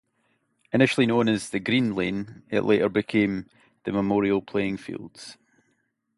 Initially known as Green Lane, it later became the Memorial Playing Fields.